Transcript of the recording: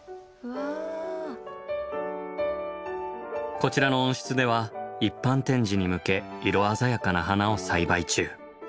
こちらの温室では一般展示に向け色鮮やかな花を栽培中。